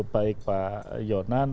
baik pak yonan